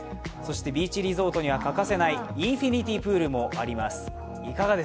ビーチリゾートには欠かせないインフィニティプールもあります。